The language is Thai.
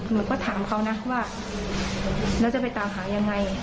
หนูก็ถามเขานะว่าแล้วจะไปตามหายังไง